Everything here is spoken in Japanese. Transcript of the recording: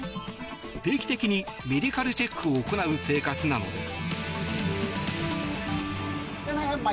定期的にメディカルチェックを行う生活なのです。